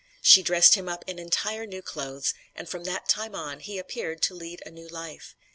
She dressed him up in entire new clothes, and from that time on he appeared to lead a new life.